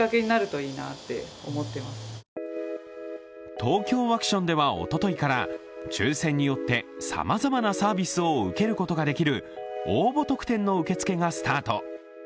ＴＯＫＹＯワクションではおとといから抽選によってさまざまなサービスを受けることができる応募特典の受付がスタート。